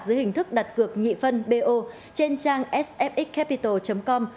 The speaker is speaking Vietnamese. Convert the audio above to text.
dưới hình thức đặt cược nhị phân bo trên trang sfxcapital com